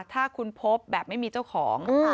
ถ้าคุณพบแบบไม่มีเจ้าของ